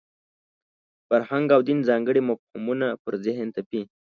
فرهنګ او دین ځانګړي مفهومونه پر ذهن تپي.